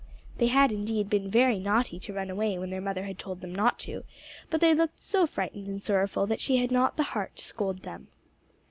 They had indeed been very naughty to run away when their mother had told them not to, but they looked so frightened and sorrowful that she had not the heart to scold them.